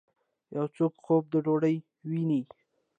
یو څوک خوب د ډوډۍ وویني